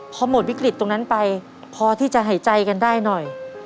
พอหมดวิกฤตตรงนั้นไปพอที่จะหายใจกันได้หน่อย